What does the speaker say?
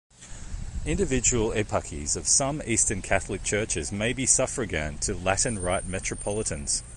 Individual eparchies of some Eastern Catholic churches may be suffragan to Latin-rite metropolitans.